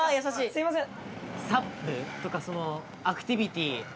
すいません。